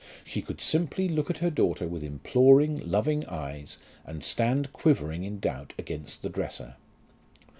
She could simply look at her daughter with imploring, loving eyes, and stand quivering in doubt against the dresser.